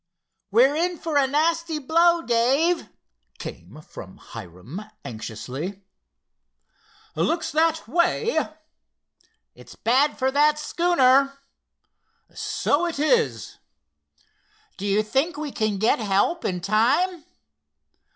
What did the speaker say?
"We're in for a nasty blow, Dave," came from Hiram, anxiously. "Looks that way." "It's bad for that schooner." "So it is." "Do you think we can get help in time?"